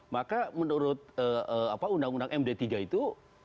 maka menurut undang undang md tiga itu